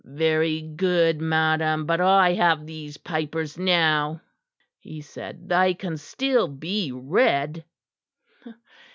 "Very good, madam, but I have these papers now," he said, "they can still be read."